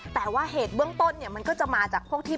แต่ว่าเหตุเบื้องต้นเนี่ยมันก็จะมาจากพวกที่